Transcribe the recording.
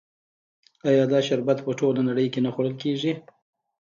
آیا دا شربت په ټوله نړۍ کې نه خوړل کیږي؟